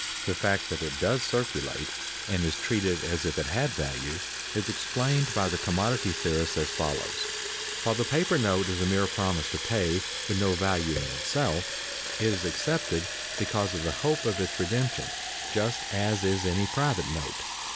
The fact that it does circulate, and is treated as if it had value, is explained by the commodity theorists as follows: While the paper note is a mere promise to pay, with no value in itself, it is accepted because of the hope of its redemption, just as is any private note.